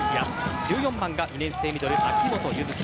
１４番が２年生ミドル・秋本悠月。